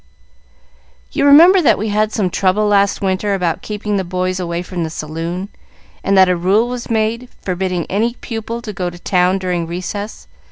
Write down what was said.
"You remember that we had some trouble last winter about keeping the boys away from the saloon, and that a rule was made forbidding any pupil to go to town during recess?"